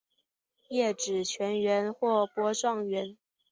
叶纸全缘或波状缘。